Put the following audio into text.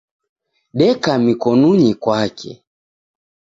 Deka mikonunyi kwake.